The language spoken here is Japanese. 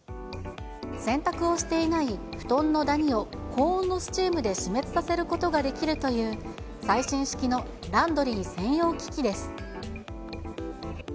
洗濯をしていない布団のダニを高温のスチームで死滅させることができるという、最新式のランドリー専用機器です。